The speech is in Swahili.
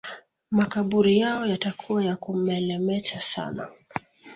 Makaburi yao yatakuwa ya kumelemeta sana